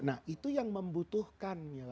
nah itu yang membutuhkan